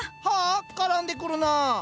はあ⁉からんでくるなあ。